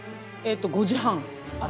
５時半。